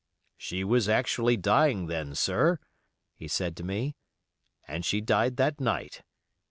"She was actually dying then, sir," he said to me, "and she died that night.